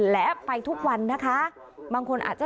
และไปทุกวันนะคะบางคนอาจจะ